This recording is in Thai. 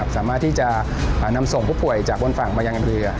สามารถที่จะนำส่งผู้ป่วยจากบนฝั่งมายังเรือ